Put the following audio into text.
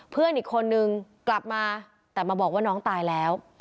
เพื่อนอีกคนนึงกลับมาแต่มาบอกว่าน้องตายแล้ว